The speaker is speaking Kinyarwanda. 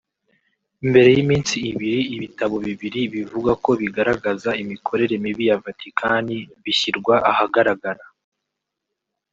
mbere y’iminsi ibiri ibitabo bibiri bivugwa ko bigaragaza imikorere mibi ya Vaticani bishyirwa ahagaragara